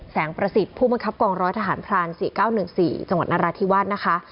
ประสิทธิ์ผู้บังคับกองร้อยทหารพราน๔๙๑๔จังหวัดนราธิวาสนะคะ